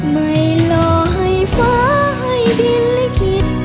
ไม่รอให้ฟ้าให้ดินลิขิต